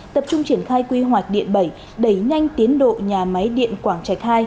tập trung triển khai quy hoạch điện bảy đẩy nhanh tiến độ nhà máy điện quảng trạch ii